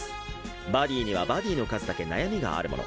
バディにはバディの数だけ悩みがあるもの。